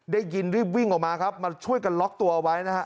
ได้ยินรีบวิ่งออกมาครับมาช่วยกันล็อกตัวเอาไว้นะฮะ